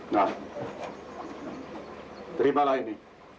nah terimalah ini